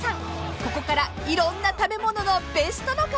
［ここからいろんな食べ物のベストの数の話に］